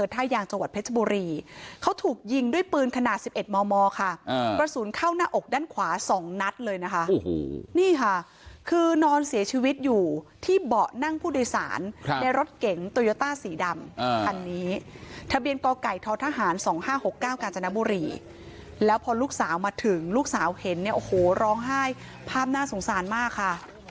ท่ายางจังหวัดเพชรบุรีเขาถูกยิงด้วยปืนขนาด๑๑มมค่ะกระสุนเข้าหน้าอกด้านขวา๒นัดเลยนะคะโอ้โหนี่ค่ะคือนอนเสียชีวิตอยู่ที่เบาะนั่งผู้โดยสารในรถเก๋งโตโยต้าสีดำคันนี้ทะเบียนกไก่ททหาร๒๕๖๙กาญจนบุรีแล้วพอลูกสาวมาถึงลูกสาวเห็นเนี่ยโอ้โหร้องไห้ภาพน่าสงสารมากค่ะ